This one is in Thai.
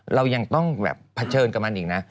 เรายังต้องแบบเผชิญกับมันอีกนะ